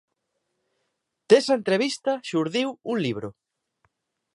Desa entrevista xurdiu un libro.